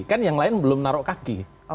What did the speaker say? kan yang lain belum naruh kaki